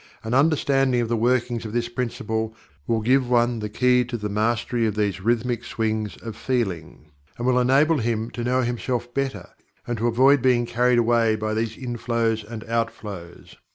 An understanding of the workings of this Principle will give one the key to the Mastery of these rhythmic swings of feeling, and will enable him to know himself better and to avoid being carried away by these inflows and outflows.